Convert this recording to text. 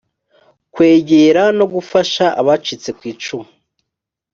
kwegera no gufasha abacitse ku icumu